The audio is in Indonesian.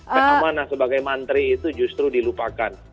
pek amanah sebagai mantri itu justru dilupakan